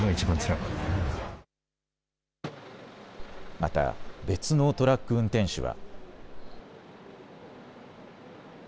また、別のトラック運転手は。